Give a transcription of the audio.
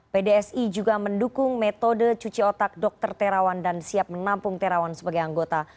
pdsi juga mendukung metode cuci otak dokter terawan dan siap menampung terawan sebagai anggota